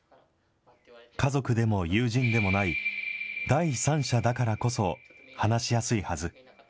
家族でも友人でもない、第三者だからこそ話しやすいはず。